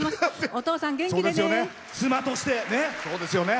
お父さん、元気でね！